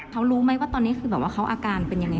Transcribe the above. เขารู้ไหมว่าตอนนี้เขาอาการเป็นอย่างไร